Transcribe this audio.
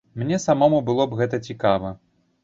Мне самому было б гэта цікава.